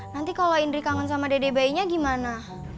nanti kalau indri kangen sama dede bayinya gimana